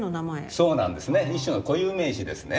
そうなんですね。